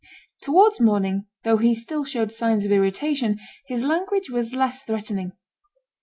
Towards morning, though he still showed signs of irritation, his language was less threatening.